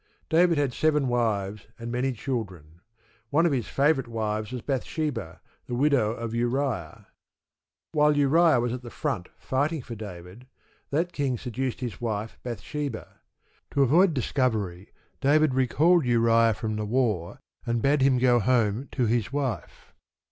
David had seven wives, and many children. One of his favourite wives was Bathsheba, the widow of Uriah. While Uriah was at "the front," fighting for David, that king seduced his wife, Bathsheba. To avoid discovery, David recalled Uriah from the war, and bade him go home to his wife.